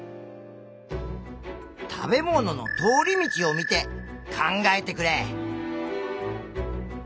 食べ物の通り道を見て考えてくれ！